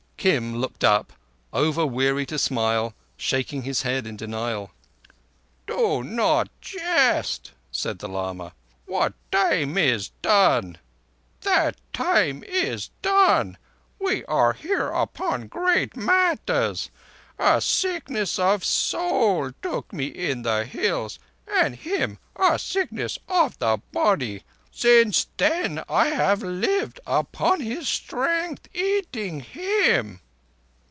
Kim looked up, over weary to smile, shaking his head in denial. "Do not jest," said the lama. "That time is done. We are here upon great matters. A sickness of soul took me in the Hills, and him a sickness of the body. Since then I have lived upon his strength—eating him."